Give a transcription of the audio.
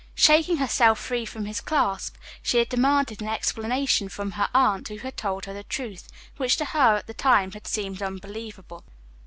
Shaking herself free from his clasp, she had demanded an explanation from her aunt, who had told her the truth, which to her at the time had seemed unbelievable.